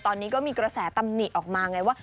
ตอนนี้ก็มีกระแสตำหนิออกมาไงว่า